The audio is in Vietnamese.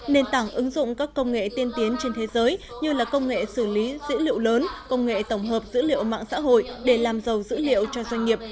nền tảng ứng dụng các công nghệ tiên tiến trên thế giới như là công nghệ xử lý dữ liệu lớn công nghệ tổng hợp dữ liệu mạng xã hội để làm giàu dữ liệu cho doanh nghiệp